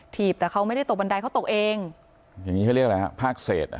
ถีบแต่เขาไม่ได้ตกบันไดเขาตกเองอย่างงี้เขาเรียกอะไรฮะภาคเศษอ่ะ